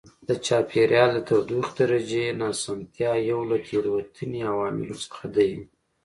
د چاپېریال د تودوخې درجې ناسمتیا یو له تېروتنې عواملو څخه دی.